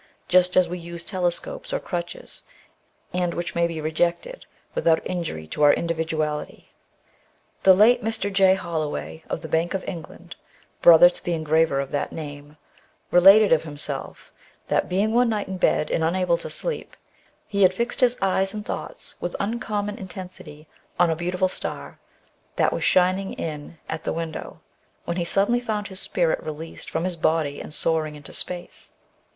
just as we use telescopes or crutches, and which may be rejected with out injury to our individuaUty. The late Mr. J. Holloway, of the Bank of England, brother to the engraver of that name, related of himself that, being one night in bed, and unable to sleep, he had fixed his eyes and thoughts with uncommon inten sity on a beautiful star that was shining in at the window, when he suddenly found his spirit released from his body and soaring into space.